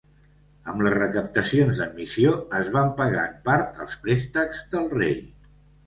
Amb les recaptacions d'admissió es van pagar en part els préstecs del rei.